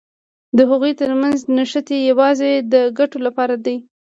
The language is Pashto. د هغوی تر منځ نښتې یوازې د ګټو لپاره دي.